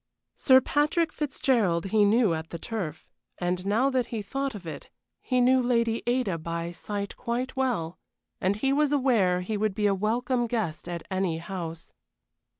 Sir Patrick Fitzgerald he knew at the Turf, and now that he thought of it he knew Lady Ada by sight quite well, and he was aware he would be a welcome guest at any house.